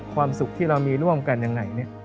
ความสุขที่เรามีร่วมกันยังไง